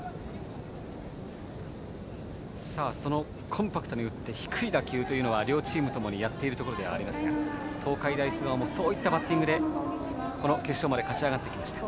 コンパクトに振って低い打球というのは両チームともにやっていることではありますが東海大菅生もそういったバッティングで決勝まで勝ち上がってきました。